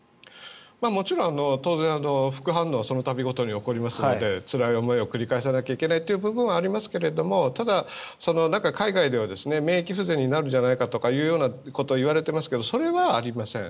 もちろん当然、副反応はその度ごとに起こりますのでつらい思いを繰り返さなきゃいけないという部分はありますがただ、海外では免疫不全になるんじゃないかということがいわれていますがそれはありません。